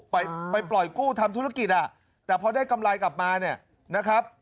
ไปไปปล่อยกู้ทำธุรกิจอ่ะแต่พอได้กำไรกลับมาเนี่ยนะครับ